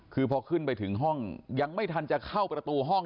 คือพอขึ้นไปถึงห้องยังไม่ทันจะเข้าประตูห้อง